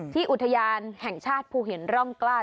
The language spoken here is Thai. อุทยานแห่งชาติภูหินร่องกล้า